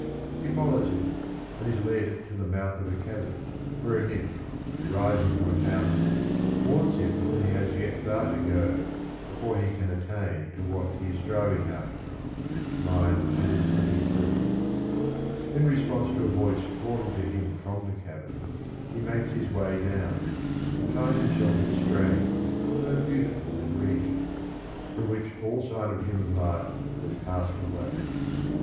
He follows it, and is led to the mouth of a cavern, where a nymph, rising from a fountain, warns him that he has yet far to go before he can attain to what he is striving after (123). In response to a voice calling to him from the cavern he makes his way down, and finds himself in a strange, though beauti ful region, from which all sign of human life has passed away.